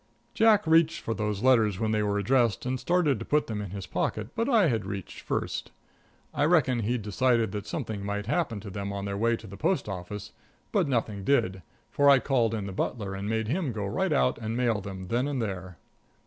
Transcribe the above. Jack reached for those letters when they were addressed and started to put them in his pocket, but I had reached first. I reckon he'd decided that something might happen to them on their way to the post office; but nothing did, for I called in the butler and made him go right out and mail them then and there.